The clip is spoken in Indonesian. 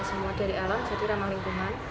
semua dari alam jadi ramah lingkungan